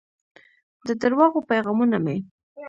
د درواغو پیغامونه مې